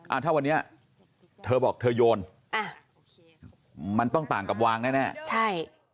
อ่าถ้าวันนี้เธอบอกเธอโยนอ่ะมันต้องต่างกับวางแน่แน่ใช่